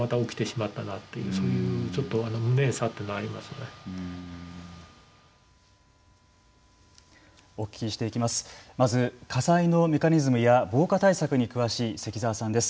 まず、火災のメカニズムや防火対策に詳しい関澤さんです。